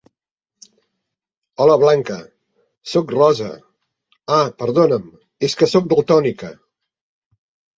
-Hola Blanca. -Soc Rosa. -Ah, perdona'm, és que soc daltònica.